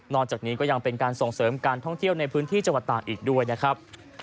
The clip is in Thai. จากนี้ก็ยังเป็นการส่งเสริมการท่องเที่ยวในพื้นที่จังหวัดตากอีกด้วยนะครับ